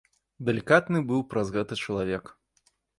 Далікатны быў праз гэта чалавек.